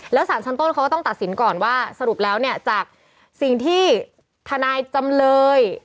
แล้วสารชั้นต้นเขาก็ต้องตัดสินก่อนว่าสรุปแล้วเนี่ยจากสิ่งที่ทนายจำเลย